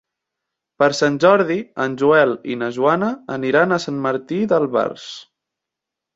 Per Sant Jordi en Joel i na Joana aniran a Sant Martí d'Albars.